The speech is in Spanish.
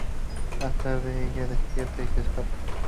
Más tarde ella despierta y se escapa.